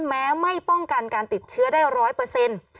แม้ไม่ป้องกันการติดเชื้อได้ร้อยเปอร์เซ็นต์